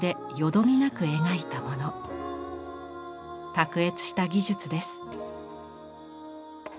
卓越した技術です。